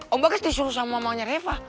om bagas disuruh sama mamanya reva